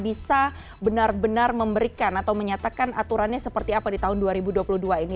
bisa benar benar memberikan atau menyatakan aturannya seperti apa di tahun dua ribu dua puluh dua ini